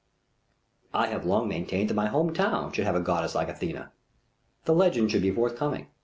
I have long maintained that my home town should have a goddess like Athena. The legend should be forthcoming.